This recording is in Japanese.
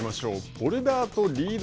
ボルダーとリード